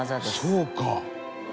「そうか！